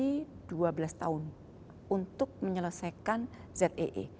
kita sudah negosiasi dua belas tahun untuk menyelesaikan zee